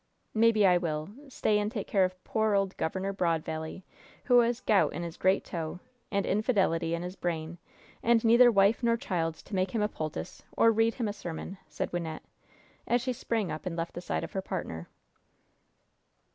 "Maybe I will stay and take care of poor, old Gov. Broadvally, who has gout in his great toe and infidelity on his brain, and neither wife nor child to make him a poultice, or read him a sermon," said Wynnette, as she sprang up and left the side of her partner.